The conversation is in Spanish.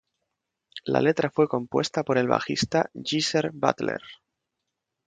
La letra fue compuesta por el bajista Geezer Butler.